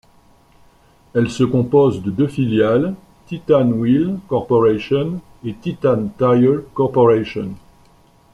Elle se compose de deux filiales Titan Wheel Corporation et Titan Tire Corporation.